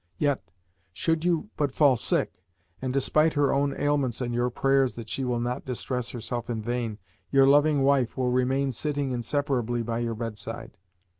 Yet, should you but fall sick and, despite her own ailments and your prayers that she will not distress herself in vain, your loving wife will remain sitting inseparably by your bedside.